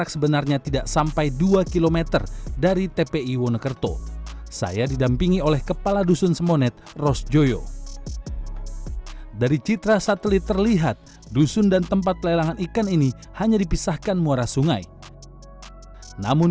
sebelum satu tahun belakangan ini mutusin tetap di sini tapi kan kondisinya belum masuk